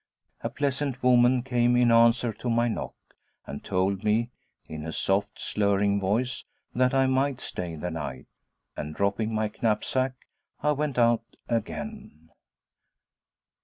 A pleasant woman came in answer to my knock, and told me, in a soft, slurring voice, that I might stay the night; and dropping my knapsack, I went out again.